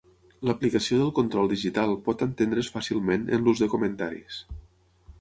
L'aplicació del control digital pot entendre's fàcilment en l'ús de comentaris.